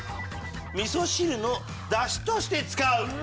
「味噌汁の出汁として使う」。